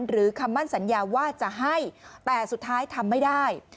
คำมั่นสัญญาว่าจะให้แต่สุดท้ายทำไม่ได้